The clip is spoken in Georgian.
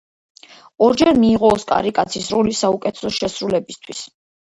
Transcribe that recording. ორჯერ მიიღო ოსკარი კაცის როლის საუკეთესო შესრულებისთვის.